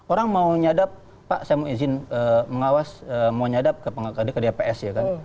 orang mau nyadap pak saya mau izin mengawas mau nyadap ke dps ya kan